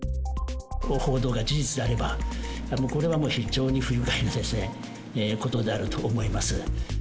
この報道が事実であれば、これはもう非常に不愉快なことであると思います。